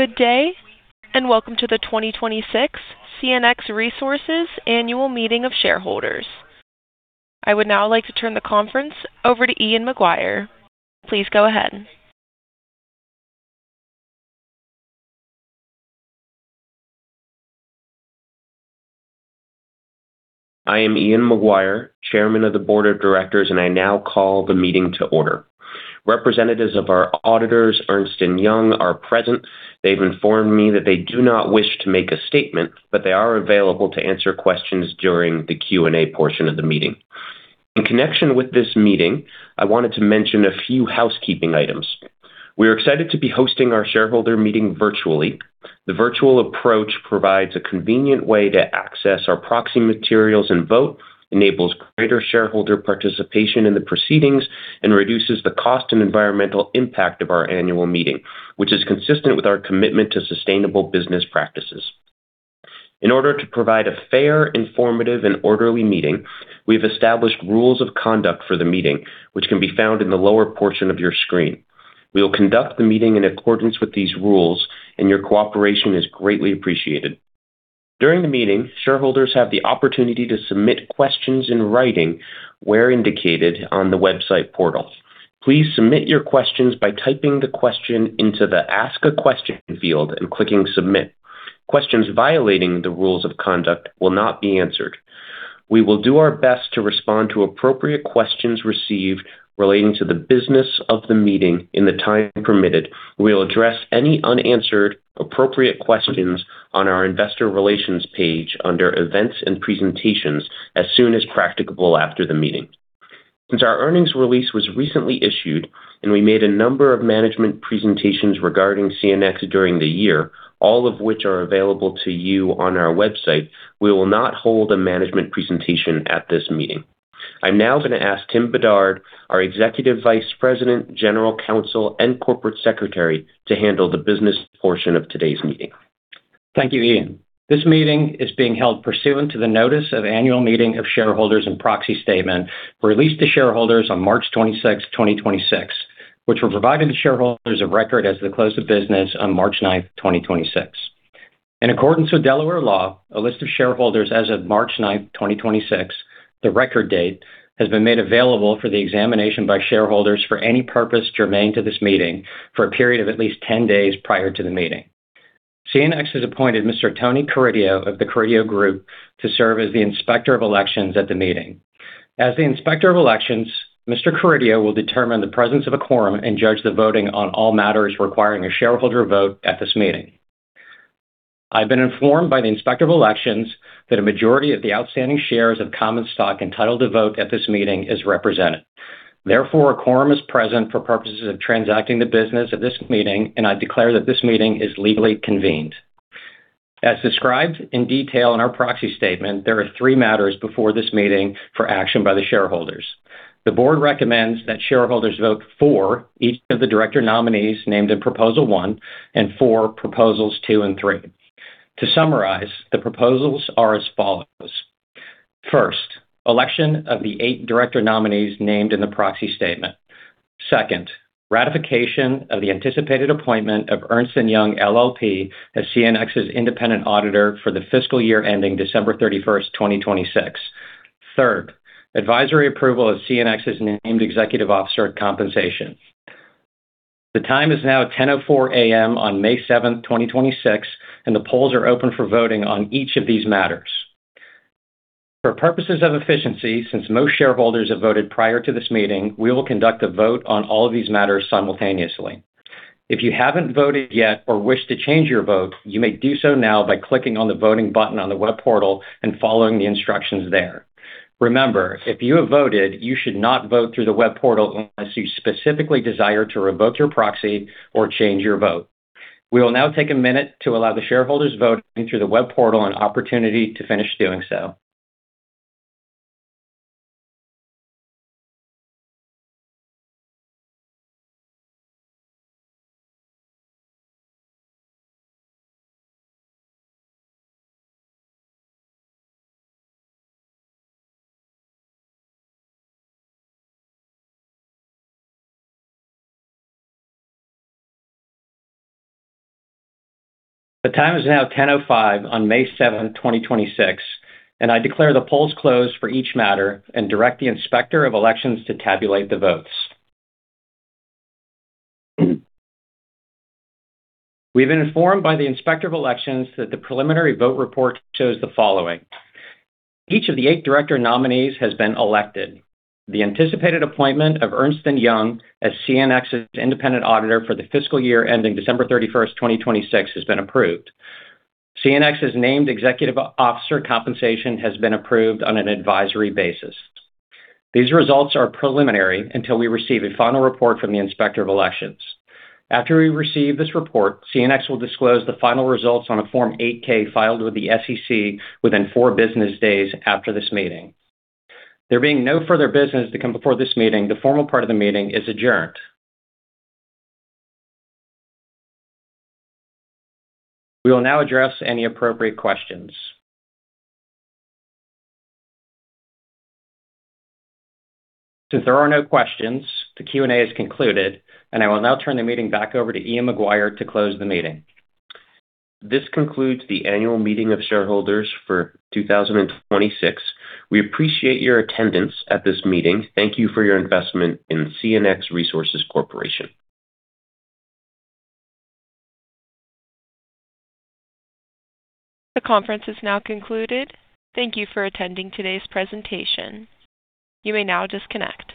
Good day. Welcome to the 2026 CNX Resources Annual Meeting of Shareholders. I would now like to turn the conference over to Ian McGuire. Please go ahead. I am Ian McGuire, Chairman of the Board of Directors. I now call the meeting to order. Representatives of our auditors, Ernst & Young, are present. They've informed me that they do not wish to make a statement. They are available to answer questions during the Q&A portion of the meeting. In connection with this meeting, I wanted to mention a few housekeeping items. We are excited to be hosting our shareholder meeting virtually. The virtual approach provides a convenient way to access our proxy materials and vote, enables greater shareholder participation in the proceedings, and reduces the cost and environmental impact of our annual meeting, which is consistent with our commitment to sustainable business practices. In order to provide a fair, informative, and orderly meeting, we've established rules of conduct for the meeting, which can be found in the lower portion of your screen. We will conduct the meeting in accordance with these rules, and your cooperation is greatly appreciated. During the meeting, shareholders have the opportunity to submit questions in writing where indicated on the website portal. Please submit your questions by typing the question into the Ask a Question field and clicking Submit. Questions violating the rules of conduct will not be answered. We will do our best to respond to appropriate questions received relating to the business of the meeting in the time permitted. We will address any unanswered appropriate questions on our investor relations page under Events and Presentations as soon as practicable after the meeting. Since our earnings release was recently issued and we made a number of management presentations regarding CNX during the year, all of which are available to you on our website, we will not hold a management presentation at this meeting. I'm now gonna ask Tim Bedard, our Executive Vice President, General Counsel, and Corporate Secretary, to handle the business portion of today's meeting. Thank you, Ian. This meeting is being held pursuant to the Notice of Annual Meeting of Shareholders and Proxy Statement released to shareholders on March 26, 2026, which were provided to shareholders of record as of the close of business on March 9, 2026. In accordance with Delaware law, a list of shareholders as of March 9, 2026, the record date, has been made available for the examination by shareholders for any purpose germane to this meeting for a period of at least 10 days prior to the meeting. CNX has appointed Mr. Tony Carideo of The Carideo Group to serve as the Inspector of Elections at the meeting. As the Inspector of Elections, Mr. Carideo will determine the presence of a quorum and judge the voting on all matters requiring a shareholder vote at this meeting. I've been informed by the Inspector of Elections that a majority of the outstanding shares of common stock entitled to vote at this meeting is represented. Therefore, a quorum is present for purposes of transacting the business of this meeting, and I declare that this meeting is legally convened. As described in detail in our proxy statement, there are three matters before this meeting for action by the shareholders. The board recommends that shareholders vote for each of the Director nominees named in proposal 1 and for proposals 2 and 3. To summarize, the proposals are as follows. First, the election of the eight Director nominees named in the proxy statement. Second, ratification of the anticipated appointment of Ernst & Young LLP as CNX's Independent Auditor for the fiscal year ending December 31st, 2026. Third, advisory approval of CNX's named Executive Officer compensation. The time is now 10:04 A.M. on May 7th, 2026, and the polls are open for voting on each of these matters. For purposes of efficiency, since most shareholders have voted prior to this meeting, we will conduct a vote on all of these matters simultaneously. If you haven't voted yet or wish to change your vote, you may do so now by clicking on the voting button on the web portal and following the instructions there. Remember, if you have voted, you should not vote through the web portal unless you specifically desire to revoke your proxy or change your vote. We will now take a minute to allow the shareholders voting through the web portal an opportunity to finish doing so. The time is now 10:05 A.M. on May 7, 2026, and I declare the polls closed for each matter and direct the Inspector of Elections to tabulate the votes. We've been informed by the Inspector of Elections that the preliminary vote report shows the following. Each of the eight Director nominees has been elected. The anticipated appointment of Ernst & Young as CNX's independent auditor for the fiscal year ending December 31, 2026, has been approved. CNX's named executive officer compensation has been approved on an advisory basis. These results are preliminary until we receive a final report from the Inspector of Elections. After we receive this report, CNX will disclose the final results on a Form 8-K filed with the SEC within four business days after this meeting. There being no further business to come before this meeting, the formal part of the meeting is adjourned. We will now address any appropriate questions. Since there are no questions, the Q&A is concluded, and I will now turn the meeting back over to Ian McGuire to close the meeting. This concludes the annual meeting of shareholders for 2026. We appreciate your attendance at this meeting. Thank you for your investment in CNX Resources Corporation. The conference is now concluded. Thank you for attending today's presentation. You may now disconnect.